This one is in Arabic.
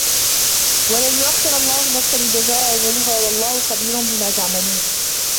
وَلَنْ يُؤَخِّرَ اللَّهُ نَفْسًا إِذَا جَاءَ أَجَلُهَا وَاللَّهُ خَبِيرٌ بِمَا تَعْمَلُونَ